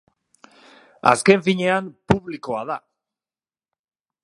Azken finean, publikoa da.